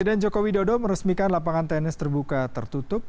presiden jokowi dodo meresmikan lapangan tenis terbuka tertutup